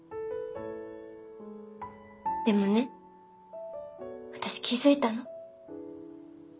でもね私気付いたの。